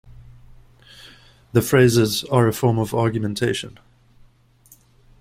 The phrases are a form of argumentation.